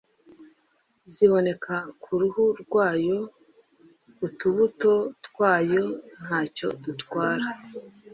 ziboneka ku ruhu rwayo. Utubuto twayo ntacyo dutwara